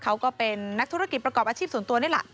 เขาก็เป็นนักธุรกิจประกอบอาชีพส่วนตัวนี่แหละ